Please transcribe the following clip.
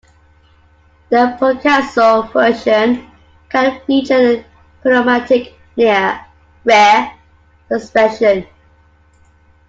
The Picasso version can feature a pneumatic rear suspension.